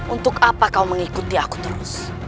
untuk apa kau mengikuti aku terus